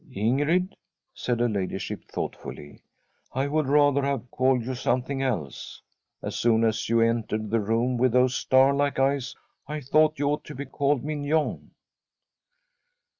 * Ingrid,' said her ladyship thoughtfully. ' I would rather have called you something else. As soon as you entered the room with those star like eyes, I thought you ought to be called Mignon.'